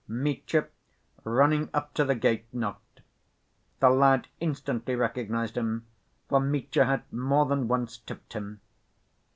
Mitya, running up to the gate, knocked. The lad instantly recognized him, for Mitya had more than once tipped him.